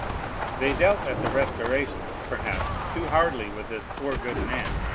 They dealt at the Restoration, perhaps, too hardly with this poor good man.